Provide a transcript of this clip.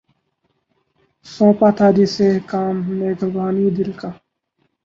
سونپا تھا جسے کام نگہبانئ دل کا